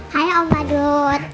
hai om badut